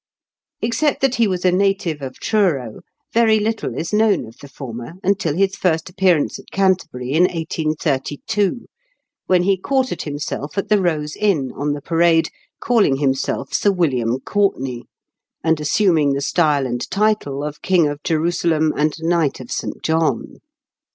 Except that he was a native of Truro, very little is known of the former until his first appearance at Canterbury in 1832, when he quartered himself at The Rose Inn, on the Parade, calling himself Sir William Courtenay, and assuming the style and title of King of Jerusalem and Knight of St. John.